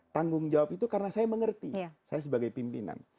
tanggung jawab itu karena saya mengerti saya sebagai pimpinan